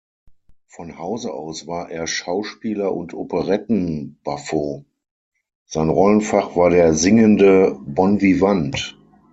Von Hause aus war er Schauspieler und Operetten-Buffo, sein Rollenfach war der „singende Bonvivant“.